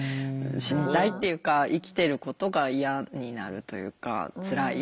死にたいっていうか生きてることが嫌になるというかつらい。